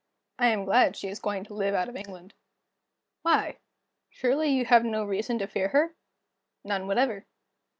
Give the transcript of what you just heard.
"I am glad she is going to live out of England." "Why? Surely you have no reason to fear her?" "None whatever."